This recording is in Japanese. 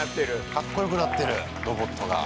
かっこよくなってる、ロボットが。